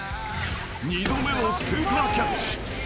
二度目のスーパーキャッチ］